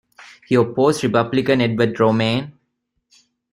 He opposed Republican Edward Romaine.